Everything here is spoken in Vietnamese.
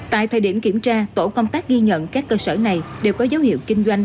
tại thời điểm kiểm tra tổ công tác ghi nhận các cơ sở này đều có dấu hiệu kinh doanh